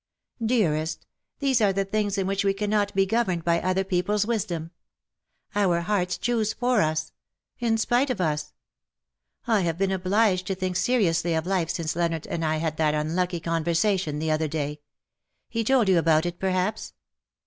Dearest, these are the things in which we cannot be governed by other people's wisdom. Our hearts choose for us ; in spite of us. I have been obliged to think seriously of life since Leonard and I had that unlucky conversation the other day He told you about it, perhaps